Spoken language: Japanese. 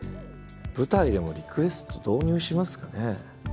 舞台でもリクエスト導入しますかね。